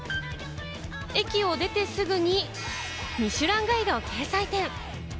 駅を出てすぐに『ミシュランガイド』掲載店。